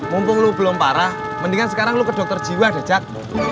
mumpung lo belum parah mendingan sekarang lu ke dokter jiwa decakmu